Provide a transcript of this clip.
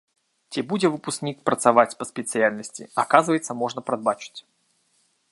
Ці будзе выпускнік працаваць па спецыяльнасці, аказваецца, можна прадбачыць.